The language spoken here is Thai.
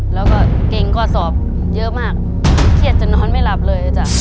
แล้วก็เกรงข้อสอบเยอะมากเครียดจนนอนไม่หลับเลยจ้ะ